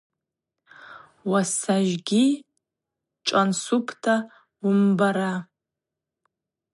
Уасажьгьи чӏвансупгьи уымбара.